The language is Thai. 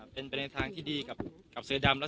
เป็นประโยชน์ที่ดีกับเศรือดำและ